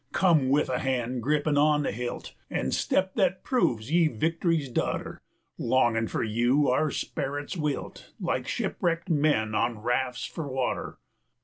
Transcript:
Come, with han' grippin' on the hilt, An' step thet proves ye Victory's daughter! Longin' for you, our sperits wilt Like shipwrecked men's on raf's for water.